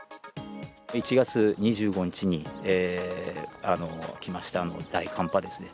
１月２５日に来ました大寒波ですね。